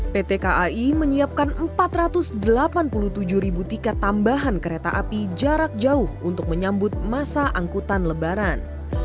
pt kai menyiapkan empat ratus delapan puluh tujuh ribu tiket tambahan kereta api jarak jauh untuk menyambut masa angkutan lebaran